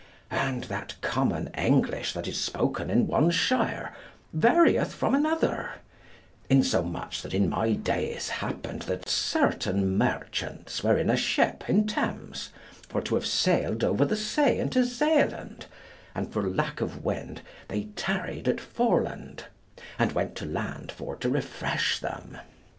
And that common English that is spoken in one shire varieth from another, insomuch that in my days happened that certain merchants were in a ship in Thames for to have sailed over the sea into Zealand, and for lack of wind they tarried at Foreland, and went to land for to refresh them.